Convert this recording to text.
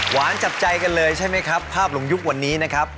จับใจกันเลยใช่ไหมครับภาพหลงยุควันนี้นะครับ